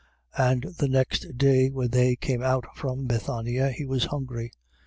11:12. And the next day when they came out from Bethania, he was hungry.